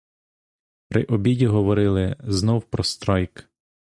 При обіді говорили знов про страйк.